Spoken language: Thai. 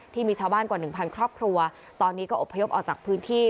ที่มีชาวบ้านกว่าหนึ่งพันครอบครัวตอนนี้ก็อบพยพออกจากพื้นที่